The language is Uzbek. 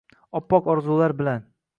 Oppoq orzular bilan